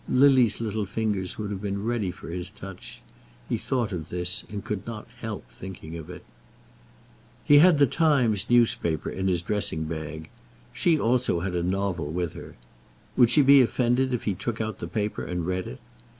Lily's little fingers would have been ready for his touch. He thought of this, and could not help thinking of it. He had The Times newspaper in his dressing bag. She also had a novel with her. Would she be offended if he took out the paper and read it?